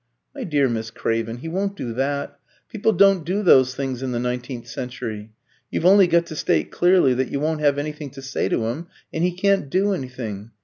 "My dear Miss Craven, he won't do that. People don't do those things in the nineteenth century. You've only got to state clearly that you won't have anything to say to him, and he can't do anything.